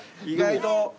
意外と。